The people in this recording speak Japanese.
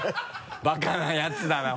バカなやつだな